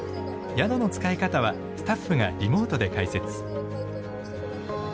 宿の使い方はスタッフがリモートで解説。